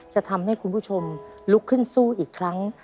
จะทำให้คุณผู้ชมลุกขึ้นสู้อีกครั้ง